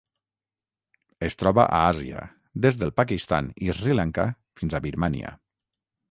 Es troba a Àsia: des del Pakistan i Sri Lanka fins a Birmània.